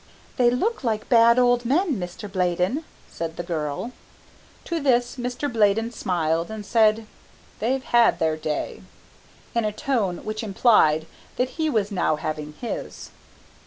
"They look like bad old men, Mr. Bladen," said the girl. To this Mr. Bladen smiled and said, "They've had their day," in a tone which implied that he was now having his.